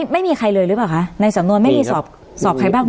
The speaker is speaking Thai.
ไม่มีใครเลยหรือเปล่าคะในสำนวนไม่มีสอบใครบ้าง